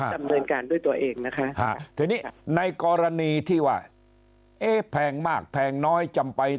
ดำเนินการด้วยตัวเองนะคะทีนี้ในกรณีที่ว่าเอ๊ะแพงมากแพงน้อยจำไป